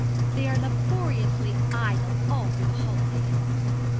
They are laboriously idle all through the holidays.'